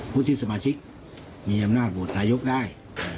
ผู้ที่สมาชิกมีอำนาจบทระยุกต์ได้